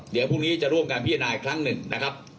เดี๋ยวพรุ่งนี้จะร่วมการพิจารณาอีกครั้งหนึ่งนะครับ